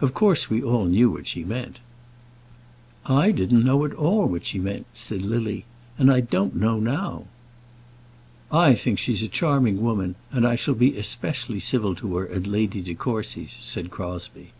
"Of course, we all knew what she meant." "I didn't know at all what she meant," said Lily; "and I don't know now." "I think she's a charming woman, and I shall be especially civil to her at Lady De Courcy's," said Crosbie.